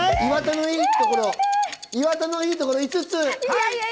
岩田のいいところ５つ！